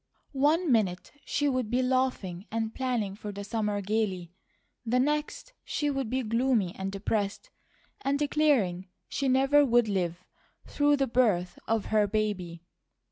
One minute she would be laughing and planning for the summer gaily, the next she would be gloomy and depressed, and declaring she never would live through the birth of her baby.